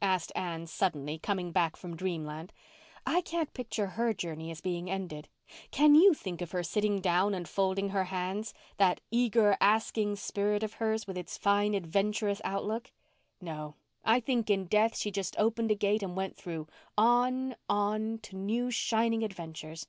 asked Anne suddenly, coming back from dreamland. "I can't picture her journey as being ended. Can you think of her sitting down and folding her hands—that eager, asking spirit of hers, with its fine adventurous outlook? No, I think in death she just opened a gate and went through—on—on—to new, shining adventures."